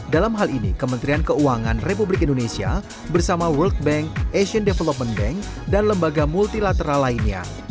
dalam hal ini kementerian keuangan republik indonesia bersama world bank asian development bank dan lembaga multilateral lainnya